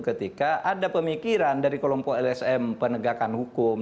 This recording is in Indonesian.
ketika ada pemikiran dari kelompok lsm penegakan hukum